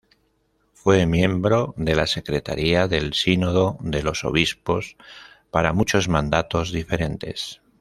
Fue miembro de la Secretaría del Sínodo de los Obispos para muchos mandatos diferentes.